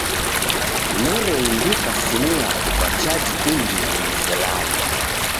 Nereiw'ika simu yapo kwa chaji imbiri niselale.